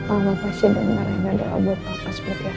allah kasih dong nara yang gak doa buat papa seperti apa